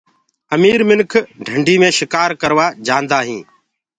امير آدمي ڍنڊي مي شڪآر ڪروآ جآندآ هينٚ۔